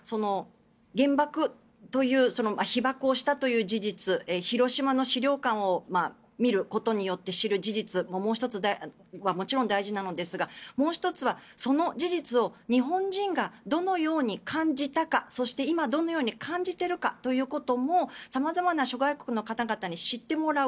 事実というのは原爆という被爆をしたという事実広島の資料館を見ることによって知る事実ももちろん大事なのですがもう１つはその事実を日本人がどのように感じたかそして、今どのように感じているかも様々な諸外国の方に知ってもらう。